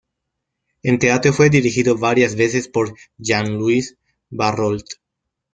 En teatro fue dirigido varias veces por Jean-Louis Barrault.